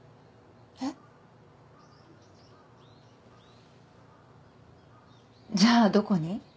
えっ？じゃあどこに？